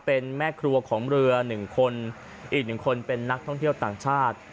เป็นแม่ครัวของเรือ๑คนอีก๑คนเป็นนักท่องเที่ยวต่างชาติ